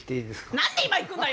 何で今行くんだよ！